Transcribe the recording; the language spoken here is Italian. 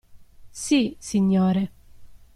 Sì, signore.